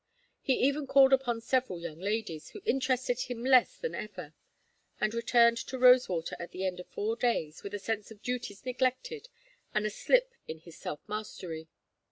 He even called upon several young ladies, who interested him less than ever, and returned to Rosewater at the end of four days with a sense of duties neglected and a slip in his self mastery.